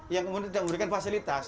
yang memberikan fasilitas